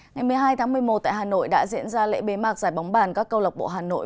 ngày một mươi hai tháng một mươi một tại hà nội đã diễn ra lễ bế mạc giải bóng bàn các câu lạc bộ hà nội